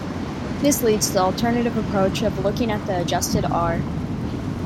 This leads to the alternative approach of looking at the adjusted "R".